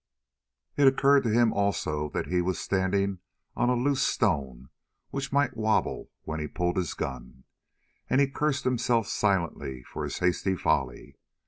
It occurred to him, also, that he was standing on a loose stone which might wobble when he pulled his gun, and he cursed himself silently for his hasty folly.